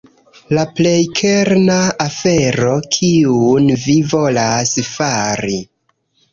La plej kerna afero kiun vi volas fari.